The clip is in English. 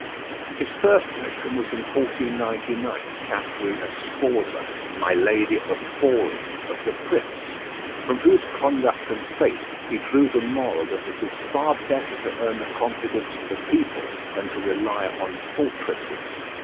His first mission was in 1499 to Catherina Sforza, "my lady of Forli" of The Prince, from whose conduct and fate he drew the moral that it is far better to earn the confidence of the people than to rely on fortresses.